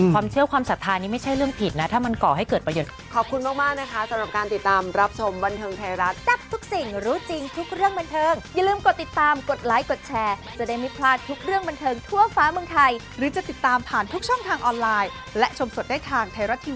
ความเชื่อความศรัทธานี้ไม่ใช่เรื่องผิดนะถ้ามันก่อให้เกิดประโยชน์